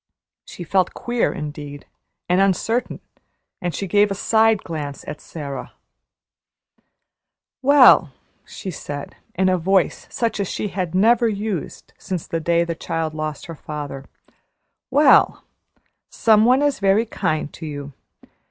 She felt queer indeed and uncertain, and she gave a side glance at Sara. "Well," she said, in a voice such as she had never used since the day the child lost her father "well, some one is very kind to you.